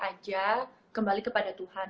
aja kembali kepada tuhan